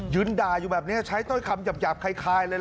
ด่าอยู่แบบนี้ใช้ถ้อยคำหยาบคล้ายเลย